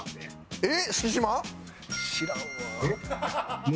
えっ？